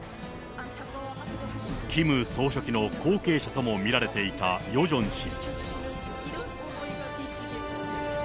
キム総書記の後継者とも見られていたヨジョン氏。